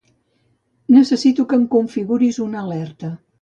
Necessito que em configuris una alerta.